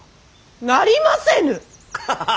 なりませぬ！